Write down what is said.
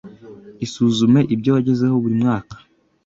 Isuzume ibyo wagezeho buri mwaka